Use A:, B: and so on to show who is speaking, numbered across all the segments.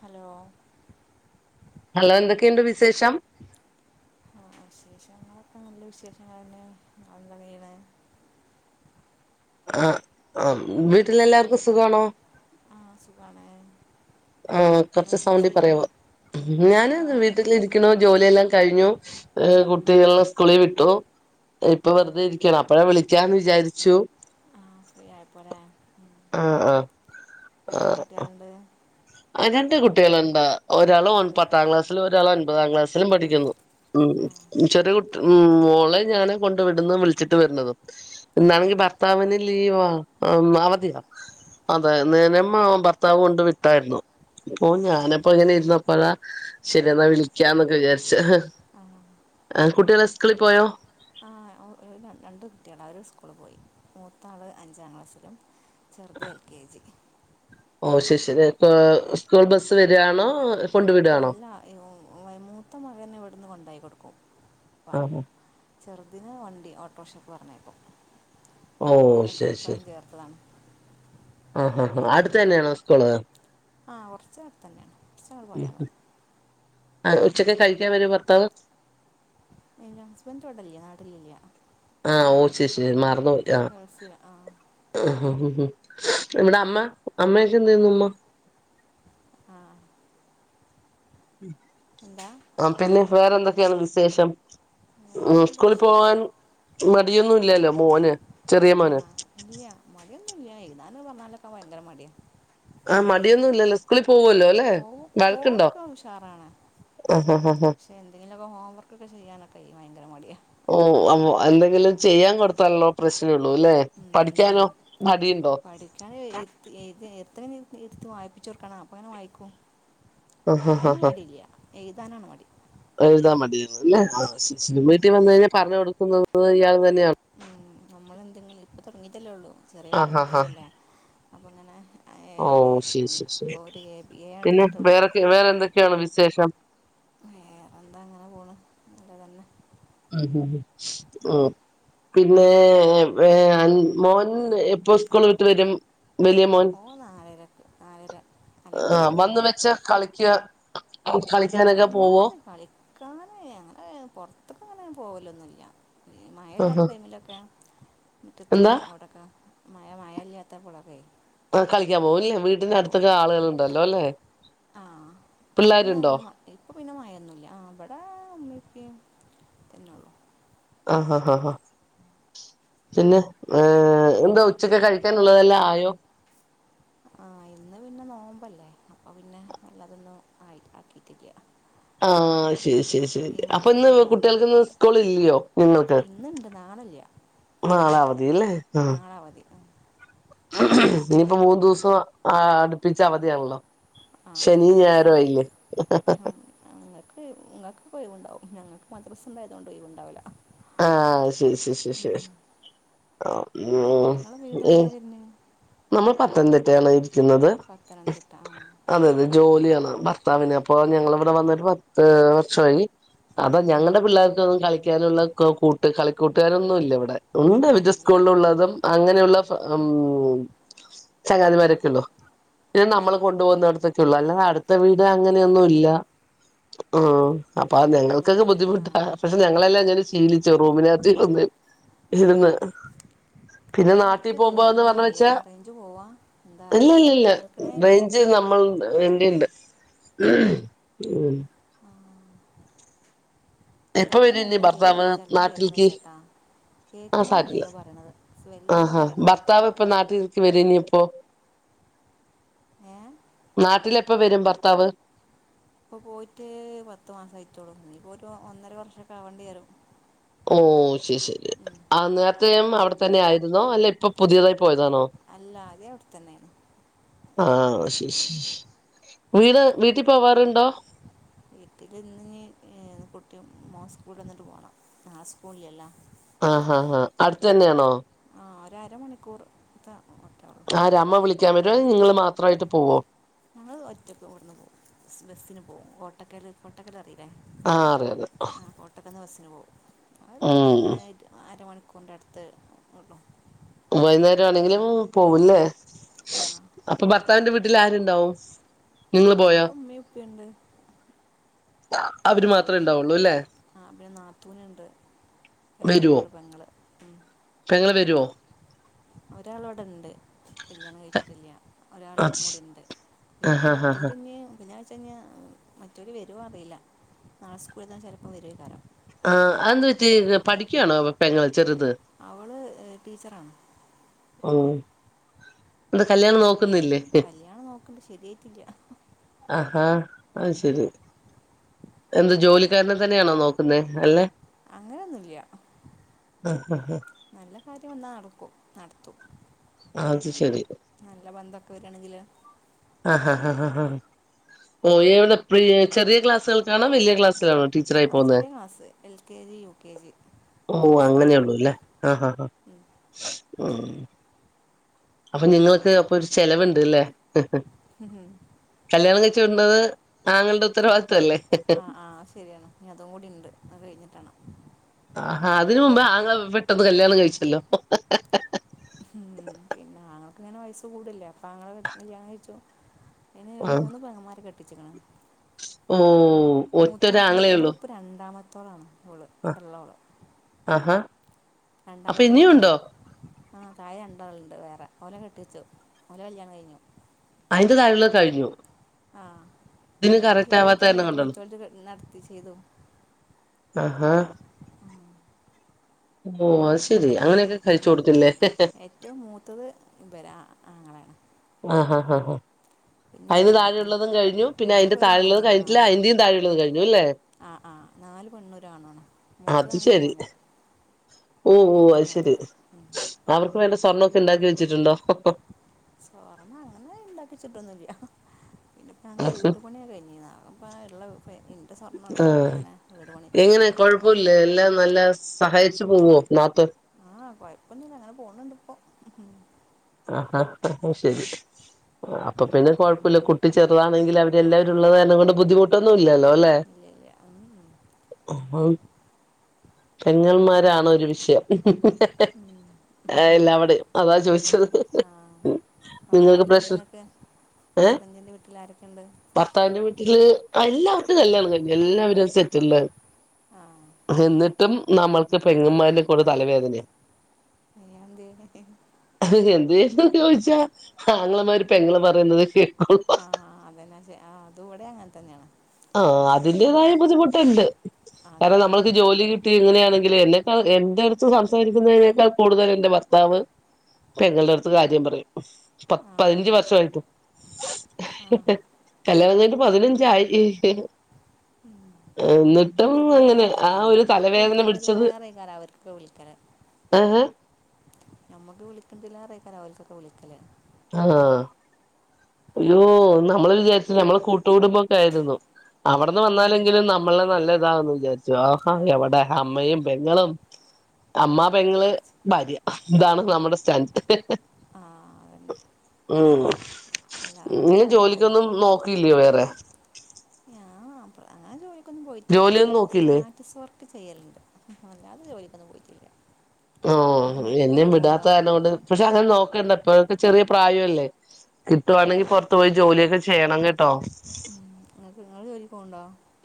A: Hello
B: hello എന്തൊക്കെയുണ്ട് വിശേഷം
A: ആ വിശേഷങ്ങളൊക്കെ നല്ല വിശേഷങ്ങളെന്നെ ങ്ങളെന്താ ചെയ്യ്ണെ
B: ആ ആ വീട്ടിലെല്ലാർക്കും
A: നിങ്ങളെന്താ
B: സുഗാണോ
A: ആ സുഖമാണ്
B: ആ കൊറച്ച്
A: നിങ്ങളെന്ത്
B: സൗണ്ടി പറയോ
A: ചെയ്യണേ
B: ഞാന്
A: ആ
B: വീട്ടിലിരിക്ക്ണു ജോലിയെല്ലാം കഴിഞ്ഞു ഏ
A: ആ
B: കുട്ടികളെ സ്കൂളിൽ വിട്ടു ഇപ്പൊ
A: ആ
B: വെറുതെ ഇരിക്കാണ് അപ്പഴ വിളിക്കാന്ന് വിചാരിച്ചു
A: ആ ഫ്രീയായപ്പോ ലെ
B: ആ ആ
A: എത്ര കുട്ട്യേള്ണ്ട്
B: രണ്ട് കുട്ട്യള്ണ്ട് ഒരാള്
A: ആ
B: പത്താം ക്ലാസ്സിലും ഒരാള് ഒൻപതാം ക്ലാസ്സിലും പഠിക്കുന്നു
A: ആ
B: മ് ചെറിയ കുട്ടി മ് മോളെ ഞാനാ കൊണ്ട് വിടുന്നതും വിളിച്ചിട്ടു വര്ന്നതും
A: ആ
B: ഇന്നാണെങ്കി ഭർത്താവിന് ലീവാ അ മ അതെയോ അതെ ന്നലേ ഭർത്താവ് കൊണ്ട് വിട്ടായിരുന്നു. അപ്പൊ
A: ആ
B: ഞാനപ്പോ ഇങ്ങനെ ഇരുന്നപ്പഴാ ശരിയെന്നാ വിളിക്കാന്നൊക്കെ വിചാരിച്ചെ ഹെ
A: ആ
B: അെ അൻ കുട്ടികള് സ്കൂളിൽ പോയോ
A: ആ രണ്ട് കുട്ടികള അവര് സ്കൂള് പോയി മൂത്താള് അഞ്ചാം ക്ലാസ്സിലും ചെറുത് എൽ കെ ജി
B: ഓ ശരിശരി ഇപ്പോ സ്കൂൾബസ്സ് വരാണോ കൊണ്ടു വിടാണോ
A: അല്ല മൂത്ത മകനെ ഇവിട്ന്ന് കൊണ്ടായിക്കൊടുക്കും
B: ആ
A: ചെറുതിനെ വണ്ടി ഓട്ടോർഷക്ക് പറഞ്ഞയ്ക്കും
B: ഓ ശരി ശരി ആഹ് ഹാ ഹാ അട്ത്തന്നെണോ സ്കൂള്
A: ആഹ് കൊറച്ചടതന്നേണ് കൊറച്ചഞ്ട്
B: ഉം
A: പോയാമതി
B: ആ ഉച്ചക്ക് കഴിക്കാൻ വരോ ഭർത്താവ്
A: എന്റെ ഹസ്ബന്റിവിടില്യ നാട്ടിലില്യ
B: ആഹ് ഓ ശരിശരി മറന്നു
A: ഗൾഫിൽ ആ
B: ആഹ് ഹ് ഹ് ഇവിടെ അമ്മ അമ്മയൊക്കെ എന്തെയ്ന്നു അമ്മ
A: ആഹ്
B: ആഹ് പിന്നെ വേറെന്തൊക്കെയാണ് വിസേഷം
A: വേറെ
B: ഉം
A: എന്താ
B: സ്കൂളിപോവാൻ
A: വിശേഷങ്ങൾ
B: മടിയൊന്നും ഇല്ലാല്ലോ മോന് ചെറിയ മോന്
A: ന്നൂല്യ എഴ്താന് പറഞ്ഞാലൊക്ക ഭയങ്കരമടിയാ
B: ആഹ് മടിയൊന്നും ഇല്ലല്ലോ ഇസ്കൂളിൽ പോവൂല്ലോല്ലേ
A: പോവും
B: വഴക്കിണ്ടോ
A: പോവാനൊക്കെ ഉഷാറാണ് പക്ഷെ എന്തെങ്കിലുവൊക്കെ ഹോംവർക്കൊക്കെചെയ്യാനൊക്കെ ഭയങ്കര മടിയ
B: ന്തേലും ചെയ്യാൻകൊടുത്താള്ളൊ പ്രശ്നം ള്ളൂല്ലെ പഠിക്കാനൊ മടീണ്ടൊ
A: അത്രേനേരിരിത്തി വായിപ്പിച്ചൊടുക്കണം അപ്പഴാണ് വായ്ക്കും
B: ആ ആ ആ
A: അയ്ന്
B: ആ
A: മടീല്ല്യ എയ്താനാമടി
B: എഴുതാൻ മടീണ്ല്ലെ ആഹ് ശിരിശിരി
A: ഉം.
B: വീട്ടിവന്നഴിഞ്ഞ പറഞ്ഞൊടു- ക്കുന്നത് ഇയാൾ തന്നെയാണ്
A: നമ്മളെന്തെങ്കിലു ഇപ്പ തൊടങ്ങീട്ടല്ലൊള്ളു ചെറിയ
B: ആ
A: കുട്ട്
B: ആ ആ
A: മക്കളല്ലേ അപ്പങ്ങനെ
B: ഓ ശരി ശരി ശരി
A: ബി എ
B: പിന്നെ
A: എടുത്തിട്ടുള്ളൂ
B: വേറൊക്കെ വേറെന്തൊക്കെയാണ് വിശേഷം
A: വേറെന്താങ്ങനെ പോണ് നല്ലതന്നെ
B: ആഹ് ഹ് ഓഹ് പിന്നേ മോൻ എപ്പൊ ഉസ്കൂള് വിട്ട് വരും വലിയമോൻ
A: ഓ നാലരക്ക് നാലര നാലേ
B: ആഹ്
A: മുക്കാലൊക്കെ
B: വന്ന്
A: ആവും
B: വെച്ച് കളിക്ക കളിക്കാനൊക്കെ പോവോ
A: എന്നാല് കളിക്കാനെ അങ്ങനെ പൊറത്ത്ക്ക് അങ്ങനെ പോവലൊന്നുംല്ല മയയില്ലാത്ത
B: ആഹാ
A: ടൈമിലൊക്കെ മുറ്റത്തും
B: എന്താ
A: അവിടൊക്ക മയ മയയില്ലാത്തപ്പളൊക്കെ
B: ആഹ് കളിക്കാൻപോവുല്ലെ വീട്ടിന്റെ അടുത്തൊക്കെ ആളുകളുണ്ടല്ലോല്ലെ
A: ആഹ് ഇപ്പൊ പിന്നെ അല്ലമ ഇപ്പ പിന്നെ മയൊന്നുല്ല ആഹ് ഇബടേ പ്പീ തന്നെള്ളു
B: ആഹ് ഹ ഹ ആഹ് പിന്നെ ഏഹ് എന്താ ഉച്ചക്ക് കഴിക്കാനുള്ളതെല്ലാം ആയോ
A: ആഹ് ഇന്ന് പിന്നെ നോമ്പല്ലേ അപ്പൊ പിന്നെ നല്ലതൊന്ന ആയി ആക്കിട്ടില്ല
B: ആഹ് ശരി ശരി ശരി
A: മാസത്തിൽ
B: അപ്പിന്ന് കുട്ടികൾക്ക് ഇന്ന്
A: നോമ്പെടുക്കാണ്ട്
B: സ്കൂൾ ഇല്ലയോ നിങ്ങക്ക്
A: നാളല്ല്യ
B: നാളെ അവധില്ലേ ആഹ്
A: ഉം.
B: ഇനിപ്പൊ മൂന്ന്ദിവസോം അടുപ്പിച്ചവധിയണല്ലോ
A: ആഹ് മദ്രസിണ്ട് ഇങ്ങക്ക് നിങ്ങക്കൊകൊയ് വിണ്ടാവും ഞങ്ങക്ക് മദ്രസുണ്ടായതുകൊണ്ട് ഒയ് വിണ്ടാവില്ല
B: ആഹ് ശരി ശരി ശരി ശരി ആഹ് ഉം
A: നിങ്ങളെ വീട്
B: ഏ
A: എവിടെ വരുന്നത്
B: നമ്മൾ പത്തനംതിട്ട ആണ് ക്കുന്നത്
A: പത്തനംതിട്ട ആ
B: അതെ അതെ ജോലിയ ഭർത്താവിന് അപ്പൊ ഞങ്ങളിവിടെവന്നിട്ട് പത്ത് വർഷായി അപ്പൊ ഞങ്ങടെ
A: ആ
B: പിള്ളേർക്കൊന്നും കളിക്കാനൊള്ള കൂട്ട് കളിക്കൂട്ടുകാരൊന്നും ഇല്ലിവിടെ ഉണ്ട്
A: ആരുമില്ല അല്ലേ
B: വിന്റെസ്കൂളിൽ
A: ആ
B: ഉള്ളതും അങ്ങനെയുള്ളഫ്ര മ്.
A: ആ
B: ചങ്ങാതിമാരൊക്കെ ഉള്ളൂ ഇന്ന
A: അത്
B: നമ്മള്
A: ശരി
B: കൊണ്ട് പോകുന്നിടത്തൊക്കെ ഉള്ളു അല്ലാത അട്ത്ത വീ അങ്ങനെയൊന്നുംല്ല മ്. അപ്പൊ അ
A: അതെ
B: ഞങ്ങൾക്കെ
A: അതെ ആ
B: ബുദ്ധിമുട്ട പക്ഷ ഞങ്ങളെല്ലാം ശീലിച്ചു റൂമിനാത്തിരുന്ന് ഇരുന്ന് പിന്നെ നാട്ടിൽ
A: എടക്ക്
B: പോകുമ്പോന്ന് പറഞ്ഞ
A: കേൾക്കണേല്ല
B: വെച്ചാ
A: റേഞ്ച് പോവാ എന്താ
B: ഇല്ല
A: അറിയില്ല
B: ഇല്ല ഇല്ല
A: കേൾക്കണേ ഇല്ല്യാ
B: റേഞ്ച് നമ്മൾ ണ്ട് [unintelligible] എപ്പ
A: ചെൽപ്പം
B: വരും ഇനി
A: നല്ലാം
B: ഭർത്താവ്
A: കേക്ക്ണ്ട് ചെൽപ്പം
B: നാട്ടിൽക്ക്
A: കേക്ക്ണില്ലട്ടാ.
B: [unintelligible]
A: വല്ല
B: ആഹാ
A: പറയണമാർക്ക്
B: ഭർത്താവ് ഇപ്പൊ നാട്ടിലേക്ക് വരെനി? ഓ
A: ഏ
B: നാട്ടിലെപ്പം വരും ഭർത്താവ്?
A: ഇപ്പൊ പോയിട്ട് പത്തു മാസം ആയിട്ടോളൂ നീ ഇപ്പോഒരു ഒന്നര വർഷംഒക്കെ ആവേണ്ടി വരും. ഉം.
B: ത്രേം അവ്ടെ തന്നെയായിരുന്നോ അല്ലേ ഇപ്പൊ പുതിയതായി പോയതോ? അതാണോ
A: അല്ല അതേ അവിടെ തന്നെയാണ്
B: ആ ആ ശെരി ശ്‌ വീട് വീട്ടിൽ പോവാറുണ്ടോ?
A: വീട്ടിലിന്ന് ഏ കുട്ടി മോൻ സ്കൂൾട്ടെന്ന്ട്ട് പോണം നാളെ സ്ക്കൂളില്ലല്ലോ.
B: ആഹ് ഹാ ഹാ അട്ത്തെന്നെണോ?
A: ആ ഒരരമണിക്കൂർ ത
B: ആരാ അമ്മ വിളിക്കാൻ വര്യോ അല്ലെ നിങ്ങള് മാത്രമായിട്ട് പോവോ
A: നങ്ങള് ഒറ്റക്കിവ്ട്ന്ന് പോവും ബസിന് പോകും കോട്ടക്കല് ഓട്ടക്ക അറിയോ?
B: ആഹ് അറിയറ്യാ.
A: ഒര് അരമണിക്കൂറി്ന്റെട്ത്ത് ഇടും.
B: വൈന്നേരം ആണെങ്കിലും പോവുംല്ലേ
A: ആ
B: അപ്പൊ ഭർത്താവിന്റെ വീട്ടിൽ ആര് ദൗഫ്.
A: ഇവിടെ ഉമ്മിം ഉപ്പിണ്ട്.
B: അവര് മാത്രേ ഇണ്ടാവൊള്ളൂ അല്ലേ?
A: ആ പിന്നെ നാത്തൂന്ണ്ട് പെങ്ങള്ണ്ട് പെങ്ങള്.
B: പെങ്ങള്‌വര്യോ?
A: ഒരാള് ഇവ്ടെണ്ട് കല്യാണം കഴിച്ചിട്ടില്ല ഒരാൾ
B: അത് ശ
A: കൂടി ഇണ്ട്. പിന്നെ
B: ആഹ് ആഹ് ആഹ്
A: മറ്റോര്ഞ്ഞ് കല്ല്യാണ കയ്ച്ചയ്ഞ്ഞ മറ്റോല്‌ വരോ അറീല നാളെ സ്കൂൾന്ന് ചെൽപ്പോ വരൊയ്ക്കാരം.
B: ആ അതെന്തു പറ്റി പഠിക്ക്യാണോ പെങ്ങള്? ചെറുത്
A: അവള് എഹ് ടീച്ചറാണ്
B: ഓ എന്താ കല്യാണം നോക്ക്
A: കല്യാണം നോക്കെണ്ട് ശരിയാ
B: ആഹാ ആത്
A: ഉം.
B: ശെരി. എന്ത് ജോലിക്കാരനെ തന്നെയാണോ നോക്കുന്നേ അല്ലെ?
A: അങ്ങനൊന്നുല്ല
B: ആഹ് ആഹ്
A: നല്ല കാര്യം വന്നാ നടക്കും ന ട്ത്തും
B: ആഹ് അത് ശരി
A: നല്ല ബന്ധമൊക്കെ വരാണെങ്കില്
B: ആ ഹാ ഹാ ഹാ ഹാ പോയവര് എപ്പഴാ ചെറിയ ക്ലാസ്സൾക്കാണോ വല്യ ക്ലാസ്സിലാണോ? ടീച്ചറായി
A: ആ
B: പോവുന്നെ
A: ചെറ്യാ class L K G U K G.
B: ഓ അങ്ങനെള്ളൂല്ലേ ആഹ് ഹ ഹാ
A: നഴ്സറിയിലാണ്
B: ഉം. അപ്പൊ നിങ്ങൾക്ക് അപ്പൊ ഒരു ചെലവ്ണ്ട്ല്ലേ.
A: മ് മ്.
B: കല്യാണം കയ്ച്ച് വിടേണ്ടത് ആങ്ങളുടെ ഉത്തരവാദിത്വമല്ലേ.
A: ആ ആ അത് ശെരിയാണ് ഇനീ അതും കൂടിണ്ട് അത് കഴിഞ്ഞിട്ടാണം.
B: ആ അതിന് മുമ്പേ ആങ്ങ ള പെട്ടെന്ന് കല്യാണം കഴിച്ചല്ലോ.
A: ഉം. പിന്നെ ആങ്ങൾക്ക് ഇങ്ങനെ വയസ്സ് കൂടില്ലേ അപ്പോ ആങ്ങള കല്യാണം കഴിച്ചു ഇന്
B: ആഹ്
A: മൂന്ന് പെങ്ങെമാരെ കെട്ടിച്ച്ക്ക്‌ണ്
B: ഓ ഒറ്റരാങ്ങളേള്ളു
A: [unintelligible] ഇവിടെള്ളോള്
B: ആഹാ അപ്പൊ
A: രണ്ടാമത്തെ
B: ഇനിയുണ്ടോ
A: പെങ്ങളാണ് ആ തായെ രണ്ടള്ണ്ട് വേറെ ഓല കെട്ടിച്ചോ ഓല കല്ല്യാണം കയ്ഞ്ഞോ
B: അയിന്റെ താഴെള്ളത് കഴിഞ്ഞു
A: ആഹ്
B: ഇതിന്
A: ഇവിടെ
B: കറക്റ്റ് ആവാത്ത
A: ശരിയായിട്ടില്ല
B: കാരണം
A: അപ്പൊ
B: കൊണ്ടാണ്
A: മറ്റവൾടെ നടത്തി ചെയ്തു
B: ആഹ്
A: ഉം.
B: ഓ അത് ശെ രി
A: അങ്ങനെ
B: അങ്ങനെയൊക്കെ കഴിച്ചു കൊടുത്തില്ലേ
A: അങ്ങനെ
B: ആഹ് ആഹ് ആ ഹ് അയ്ന്
A: പെൺകുട്ടികളൊക്കെ
B: താഴെയുള്ളതും കഴിഞ്ഞു പിന്നെ അയ്ന്റെ
A: ആകെ ഒരു
B: താഴെയുള്ളതും
A: മോഞ്ഞോളൂ
B: കഴിട്ടില്ല
A: നാലോ
B: അയ്ന്റേം താഴെയുള്ളതും കഴിഞ്ഞു അല്ലേ
A: ആ ആ നാല് പെണ്ണും ഒരാണുവാണ്
B: അത്
A: മൂത്തതാണെങ്കി
B: ശരി
A: മോന
B: ഓ ഓ അയ്ശെരി അവർക്ക് വേണ്ട സ്വർണൊക്കെ ഇണ്ടാക്കി വെച്ചിട്ടുണ്ടോ
A: സ്വർണ്ണ അങ്ങനെ ഇണ്ടാക്കിച്ചിട്ടൊന്നുംല്ല്യ പിന്നിപ്പ ഞാങ്ക്
B: ആഹ്
A: വീട് പണി കഴ്ഞ്ഞതാ ഇപ്പ ഇള്ള ഫ് ഇൻ്റെ സ്വർണ്ണുള്ളതൊക്കെങ്ങനെ വീട് പണിക്കൊടുത്തു
B: കൊഴപ്പവില്ല എല്ലാം നല്ല സഹായിച്ചു പോവോ നാത്തൂൻ
A: ആഹ് കൊഴപ്പൊന്നില്ല അങ്ങനെ പോണണ്ട് ഇപ്പോ
B: ആഹാ അത് ശരി ട്ട ചെറുതാണെങ്കില്
A: ആ
B: അവര്ല്ലാവരും ഉള്ളത് കാരണം കൊണ്ട് ബുദ്ധിമുട്ടൊന്നും ഇല്ലല്ലോ അല്ലെ
A: ഇല്ല ഇല്ല ഉം, ഉം.
B: ആം പെങ്ങമാരാണ് ഒരു വിഷയം
A: ഉം.
B: ആ എല്ലാവിടെയും അതാ ചോദിച്ചത്
A: ആഹ് അവിടെ
B: നിങ്ങൾക്ക് പ്രശ്നം
A: ആരൊക്കെയൊണ്ട്ങ്ങക്ക്
B: ഏഹ് ഭർത്താവിന്റെ വീട്ടില് എല്ലാവർക്കും കല്യാണം കഴിഞ്ഞു എല്ലാവരും വിശ്വസ്ച്ചില്ല
A: ആ
B: എന്നിട്ടും നമ്മൾക്ക് പെങ്ങന്മാര്ടെക്കൊണ്ട ഒരു തലവേദനയാ
A: അയ്യന്തേനേ
B: ഇഷ്ടംഞ്ചോയ്ച്ചാ ആങ്ങളമാര് പെങ്ങള് പറയുന്നത് കേ
A: ആഹ് അതെന്നാചാ ആ അതൂവ്ടെ അങ്ങൻതന്നെയാണ്
B: ആ അതിൻ്റേതായ ബുദ്ധിമുട്ടിണ്ട്
A: ആ
B: കാരണം
A: അതന്നെ
B: നമ്മള്ക്ക് ജോലി കിട്ടി ഇങ്ങനെയാണെ ങ്കില് എന്നെക്കാ എന്റെടുത്ത് സംസാരിക്കുന്നതിനേക്കാൾ കൂടുതലെന്റെ ഭർത്താവ് പെങ്ങൾടെ അടുത്ത് കാര്യം പറയും
A: ആ
B: പപതിനഞ്ച് വർഷായിട്ടും
A: ആ
B: കല്യാണം കിട്ട് പതിനഞ്ചായി
A: ഉം
B: എന്നിട്ടും
A: അത്വ്ടെയും
B: അങ്ങനെ ആ
A: അങ്ങൻതന്നെയാണ്
B: ഒരു
A: മ്മക്ക്
B: തലവേദന
A: വിളിക്കണ്ടില്ലേറെ കാലാവർക്ക് വിളിക്കലാണ്
B: ആഹ്
A: നമ്മക്ക് വിളിക്കത്തില്ലാറിക്കാനാ അവര്ക്കൊക്കെ വിളിക്കല്
B: ആണോ അയ്യോ നമ്മള് വിചാരിച്ച് നമ്മള് കൂട്ടുകുടുമ്പൊക്കെ ആയിരുന്നു അവിടെന്ന് വന്നാലെങ്കിലും നമ്മളെ നല്ല ഇതാന്ന് വിചാരിച്ചു ആഹാ
A: ആ
B: എവിടെ അമ്മയും പെങ്ങളും അമ്മ, പെങ്ങള്, ഭാര്യ ഇതാണ് നമ്മുടെ സ്റ്റാഞ്ച്
A: ആ അതന്നെ
B: ഊം നിങ്ങ
A: എല്ലായിടത്തും അല്ല തന്നെ
B: ജോലിക്കൊന്നും
A: അപ്പോൾ
B: നോക്കിയില്ല്യോ വേറെ
A: ഞാൻ ജോലിക്കൊന്നും പോയിട്ടില്ല
B: ജോലിയൊന്നും നോക്കില്ലേ
A: സ്റ്റാറ്റസ് വർക് ക്ക് ചെയ്യലുണ്ട് അല്ലാതെ ജോലിക്കൊന്നും പോയിട്ടില്ല
B: ആഓ
A: നിങ്ങൾ
B: എന്നേം
A: ജോലിക്ക്
B: വിടാത്ത
A: പോകണ്ടോ
B: കാരണം കൊണ്ട് പക്ഷെ, അങ്ങനെ നോക്കണ്ട ഇപ്പെഴൊക്കെ ചെറിയ പ്രായല്ലേ കിട്ടുവാണെങ്കി പറത്തു പോയി ജോലിയൊക്കെ ചെയ്യണം കേട്ടോ
A: ഇങ്ങള്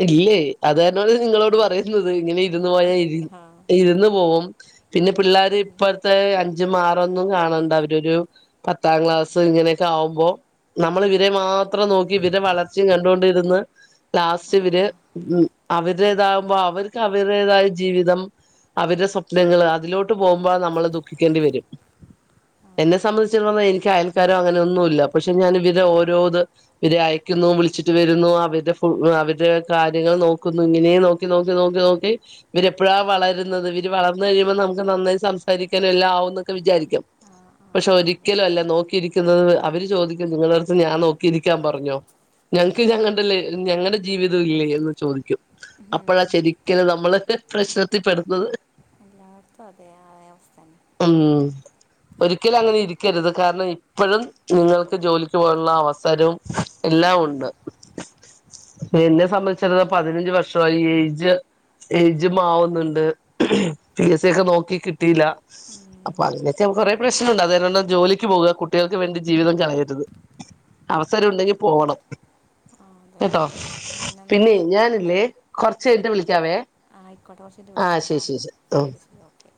B: ഇല്ലേ അത്കാര്ണാണ് നിങ്ങളോട് പറയുന്നത് ഇങ്ങനെ ഇരുന്ന്
A: ആ
B: പോയാ
A: അത്
B: ഇരി
A: ശരി ആ
B: ഇരുന്ന് പോവും പിന്നെ പിള്ളാര്
A: ഉം.
B: ഇപ്പോഴത്തെ അൻച് ജ്ജ്മാറൊന്നും കാണണ്ട അവരൊരു പത്താം ക്ലാസ്സ് ഇങ്ങനെയൊക്കെ ആകുമ്പോ നമ്മളിവരെ മാത്രം നോക്കി ഇവരെ വളർച്ചയും കണ്ടൊണ്ടിരുന്ന് ലാസ്റ്റ്
A: ആ
B: ശ്ശേവര് അവരുടേതാകുമ്പോ അവർക്ക് അവരുടേതായ ജീവിതം അവരുടെ സ്വപ്നങ്ങള് അതിലോട്ട് പോകുമ്പോ നമ്മള് ദുഃഖിക്കേണ്ടി വരും.
A: ആ
B: എന്നെ
A: അതെ
B: സംബന്ധിച്
A: അതെ
B: പറഞ്ഞാൽ എനിക്ക് അയൽക്കാരോ അങ്ങനെ ഒന്നും ഇല്ല പക്ഷെ ഞാൻ ഇവരടെ ഓരോ ഇത് ഇവരെയ ന്നു വിളിച്ചിട്ട് വരുന്നു അവരുടെ ഫു അവര് ഇവരേ കാര്യങ്ങൾ നോക്കുന്നു ഇങ്ങനേ നോക്കി നോക്കി നോക്കി നോക്കി ഇവരെപ്പഴാ
A: ഉം.
B: വളരുന്നത് ഇവര് വളർന്നുകഴി യുമ്പം നമുക്ക് നന്നായി സംസാരിക്കാനും എല്ലാം ആവുംന്നൊക്കെ വിചാരിക്കും.
A: ആ ആ
B: പക്ഷെ
A: അതെ അതെ
B: ഒരിക്കലും അല്ല നോക്കിയിരിക്കുന്നത്, അവര് ചോദിക്കും നിങ്ങള അടുത്ത് ഞാൻ നോക്കിയിരിക്കാൻ പറഞ്ഞോ? ഞങ്ങ്ക്ക് ഞങ്ങളുടെല ഞങ്ങളുടെ ജീവിതം ഇല്ലേ എന്ന് ചോദിക്കും അപ്പഴാ
A: ഉം.
B: ശരിക്കന് നമ്മള് ള് പ്രശ്നത്തിപ്പെടുന്നത്.
A: എനക്കു അതെ ആ അവസ്ഥന്നെ.
B: ഉം ഒരിക്കലും അങ്ങനെ ഇരിക്കരുത്, കാരണം ഇപ്പഴും നിങ്ങൾക്ക് ജോലിക്ക് പോകാനുള്ള അവസരോം എല്ലാം ഒണ്ട്. എന്നെ സംബന്ധിച്ചിടത്തോ പതിനഞ്ച് വർഷമായി ഏജ് ഏജുമാവുന്നുണ്ട് പി എസ് സി ഒക്കെ നോക്കി കിട്ടിയില്ല അപ്പൊ അങ്ങനെയൊക്കെ കൊറെ പ്രശ്നമുണ്ട് അതല്ലാതെ ജോലിക്ക് പോ പോക്വ, കുട്ടികൾക്ക് വേണ്ടി ജീവിതം കളയരുത്, അവസരം ഉണ്ടെങ്കി പോകണം.
A: ആ
B: കെട്ടോ,
A: അതന്നെ പിന്നെന്താ
B: പിന്നേ ഞാനില്ലേ കുറച്ച് കഴിഞ്ഞിട്ട് വിളിക്കാവേ.
A: ആ ആയിക്കോട്ടെ, കുറചഞ്ഞിട്ട്
B: ആ
A: വിളിക്കാട്ടോ,
B: ശരി ശരി ഉം
A: ശരി ശരി ഓക്കെ.